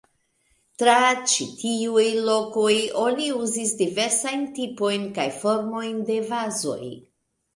Tra ĉi tiuj lokoj oni uzis diversajn tipojn kaj formojn de vazoj.